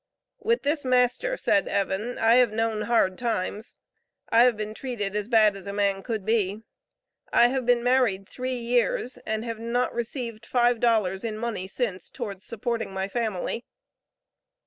With this master, said Evan, I have known hard times. I have been treated as bad as a man could be. I have been married three years and have not received five dollars in money since, towards supporting my family.